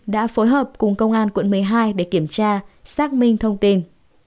đã phối hợp cùng công an quận một mươi hai để kiểm tra xác minh thông tin